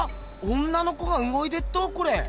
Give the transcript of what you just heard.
⁉女の子がうごいてっどこれ！